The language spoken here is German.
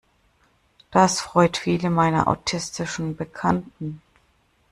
Das freut viele meiner autistischen Bekannten.